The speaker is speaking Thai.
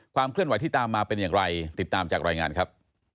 เคลื่อนไหวที่ตามมาเป็นอย่างไรติดตามจากรายงานครับ